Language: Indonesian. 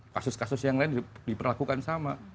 kasus kasus yang lain diperlakukan sama